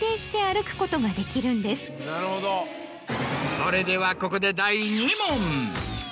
それではここで第２問。